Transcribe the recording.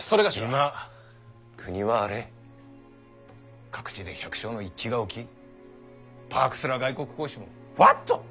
今国は荒れ各地で百姓の一揆が起きパークスら外国公使も「ホワット？